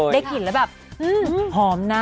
ได้กลิ่นแล้วแบบหอมนะ